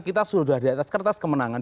kita sudah di atas kertas kemenangan